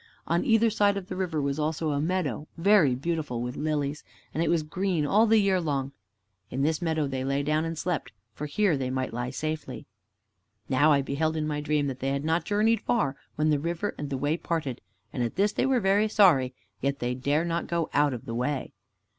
On either side of the river was also a meadow, very beautiful with lilies, and it was green all the year long. In this meadow they lay down and slept, for here they might lie safely. Now I beheld in my dream that they had not journeyed far, when the river and the way parted, and at this they were very sorry, yet they dare not go out of the way.